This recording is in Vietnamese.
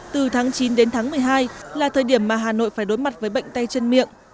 từ tháng chín đến tháng một mươi hai là thời điểm mà hà nội phải đối mặt với bệnh tay chân miệng